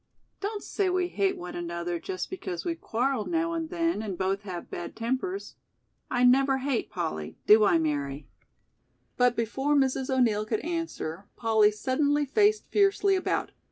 "Don't say we hate no another just because we quarrel now and then and both have bad tempers. I never hate Polly, do I Mary?" But before Mrs. O'Neill could answer, Polly suddenly faced fiercely about.